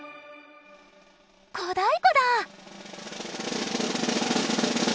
小太鼓だ！